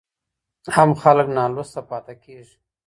عام خلګ نالوسته پاته کيږي.